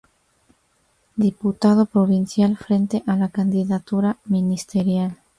Diputado provincial frente a la candidatura ministerial.